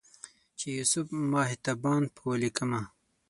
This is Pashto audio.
چې یوسف ماه تابان په ولیکمه